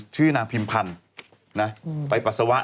ใช่ไหม